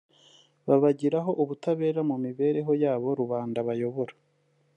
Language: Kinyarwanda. babagiraho ubutabera mu mibereho y'abo rubanda bayobora